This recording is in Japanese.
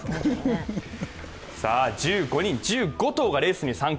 １５人、１５頭がレースに参加。